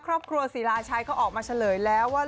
ครอบครัวศิลาชัยเขาออกมาเฉลยแล้วว่า